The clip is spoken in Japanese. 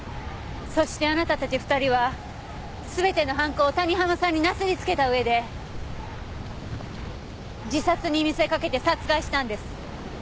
そしてあなたたち２人は全ての犯行を谷浜さんになすりつけた上で自殺に見せかけて殺害したんです。